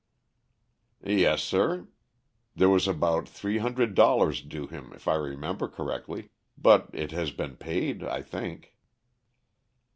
"Yes, sir; there was about three hundred dollars due him, if I remember correctly, but it has been paid, I think."